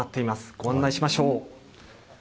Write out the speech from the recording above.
ご案内しましょう。